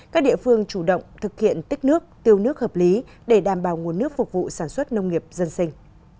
các địa phương chủ động thực hiện tích nước tiêu nước hợp lý để đảm bảo nguồn nước phục vụ sản xuất nông nghiệp dân sinh